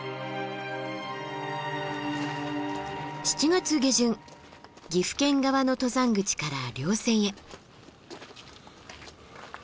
７月下旬岐阜県側の登山口から稜線へ。